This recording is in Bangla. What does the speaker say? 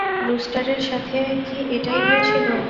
রুস্টারের সাথে কি এটাই হয়েছিল?